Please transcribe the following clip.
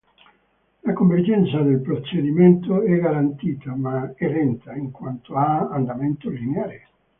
La convergenza del procedimento è garantita, ma è lenta in quanto ha andamento lineare.